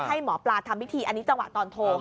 ให้หมอปลาทำพิธีอันนี้จังหวะตอนโทรค่ะ